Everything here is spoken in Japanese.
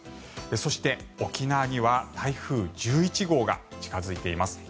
そして、沖縄には台風１１号が近付いています。